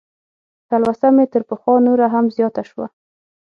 تلوسه مې تر پخوا نوره هم زیاته شوه.